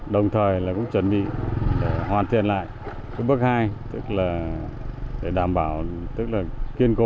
đồng thời là cũng chuẩn bị để hoàn thiện lại cái bước hai tức là để đảm bảo tức là kiên cố